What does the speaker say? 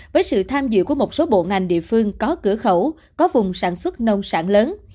với sự tham dự của một số bộ ngành địa phương có cửa khẩu có vùng sản xuất nông sản lớn